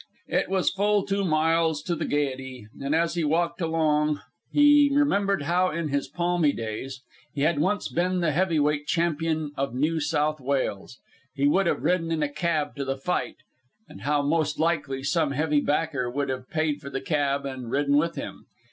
It was full two miles to the Gayety, and as he walked along he remembered how in his palmy days he had once been the heavyweight champion of New South Wales he would have ridden in a cab to the fight, and how, most likely, some heavy backer would have paid for the cab and ridden with him.